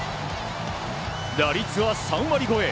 打率は３割超え